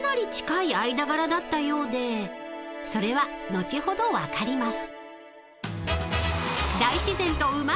［それは後ほど分かります］